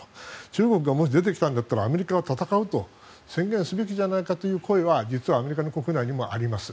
中国がもし出てくるならアメリカは戦うと宣言すべきじゃないかという声は実はアメリカの国内にもあります。